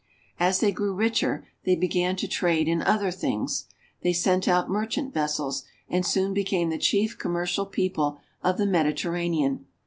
As they grew richer they began to trade in other things. They sent out merchant vessels, and soon became the chief commercial people of the Mediterranean.